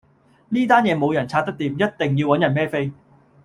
呢單嘢冇人拆得掂，一定要搵人孭飛